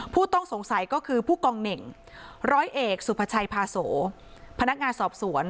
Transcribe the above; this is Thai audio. ผู้ต้องสงสัยก็คือผู้กองเหน่งร้อยเอกสุภาชัยพาโสพนักงานสอบสวน